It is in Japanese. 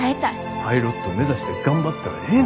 パイロット目指して頑張ったらええね。